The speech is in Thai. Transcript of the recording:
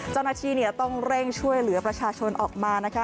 เจ้าหน้าที่ต้องเร่งช่วยเหลือประชาชนออกมานะคะ